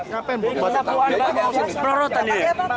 tauuran yang ditemukan adalah tawuran yang diperlukan oleh tawuran